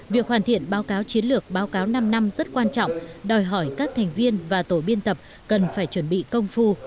việc hoàn thiện báo cáo chiến lược báo cáo năm năm rất quan trọng đòi hỏi các thành viên và tổ biên tập cần phải chuẩn bị công phu